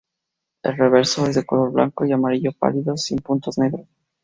El reverso es de color blanco y amarillo pálido, sin puntos negros.